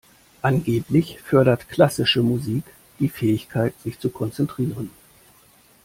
Angeblich fördert klassische Musik die Fähigkeit, sich zu konzentrieren.